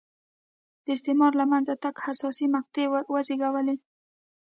د استعمار له منځه تګ حساسې مقطعې وزېږولې.